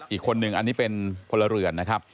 อีกคนนึงอันนี้เป็นพลเรือนนะครับ